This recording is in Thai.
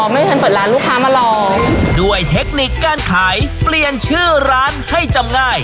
ไม่ทันเปิดร้านลูกค้ามาลองด้วยเทคนิคการขายเปลี่ยนชื่อร้านให้จำง่าย